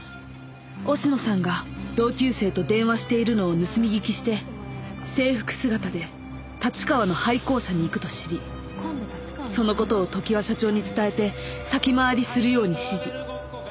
忍野さんが同級生と電話しているのを盗み聞きして制服姿で立川の廃校舎に行くと知りその事を常盤社長に伝えて先回りするように指示。